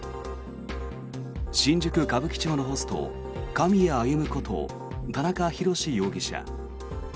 新宿・歌舞伎町のホスト狼谷歩こと田中裕志容疑者。